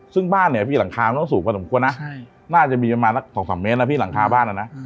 ซึ่งบ้านเนี่ยพี่หลังคามันต้องสูงพอสมควรนะน่าจะมีประมาณสัก๒๓เมตรนะพี่หลังคาบ้านอ่ะนะ